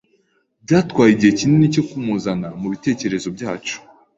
Byatwaye igihe kinini cyo kumuzana mubitekerezo byacu.